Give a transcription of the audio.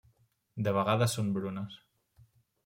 De vegades són brunes.